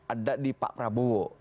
ada di pak prabowo